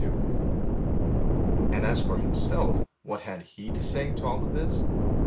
II And as for Himself, what had He to say to all this?